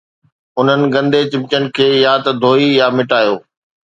انهن گندي چمچن کي يا ته ڌوئي يا مٽايو